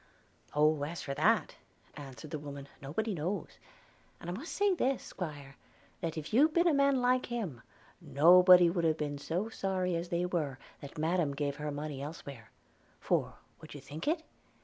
'Oh, as for that,' answered the woman, 'nobody knows; and I must say this, 'Squire, that if you'd a been like him, nobody would have been so sorry as they were, that Madam gave her money elsewhere; for, would you think it?